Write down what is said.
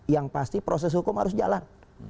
yang pasti proses hukum harus jalan